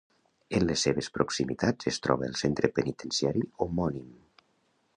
En les seves proximitats es troba el centre penitenciari homònim.